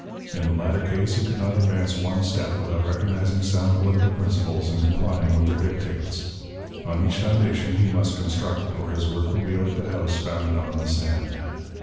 In the latter case, he could not advance one step without recognizing sound political principles and complying with their dictates. On each foundation he must construct, or his work would be like the house founded on the sand.